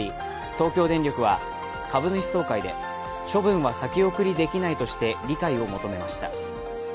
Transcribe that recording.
東京電力は株主総会で処分は先送りできないとして理解を求めました。